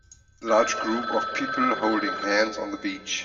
large group of people holding hands on the beach